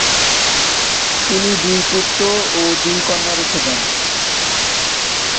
তিনি দুই পুত্র ও দুই কন্যা রেখে যান।